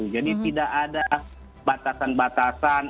jadi tidak ada batasan batasan